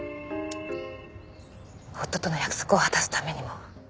夫との約束を果たすためにも。